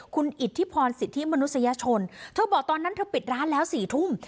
คุณอิทธิพรสิทธิมนุษยชนเธอบอกตอนนั้นเธอปิดร้านแล้ว๔ทุ่ม